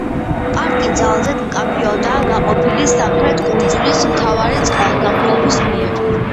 პარკი ძალზედ მკაფიოდაა გაყოფილი სამხრეთ კუნძულის მთავარი წყალგამყოფის მიერ.